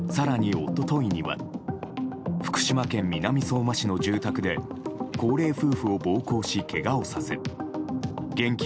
一昨日には福島県南相馬市の住宅で高齢夫婦を暴行し、けがをさせ現金